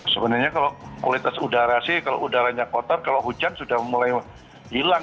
sebenarnya kalau kualitas udara sih kalau udaranya kotor kalau hujan sudah mulai hilang